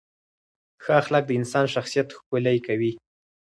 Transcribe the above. ښه اخلاق د انسان شخصیت ښکلي کوي.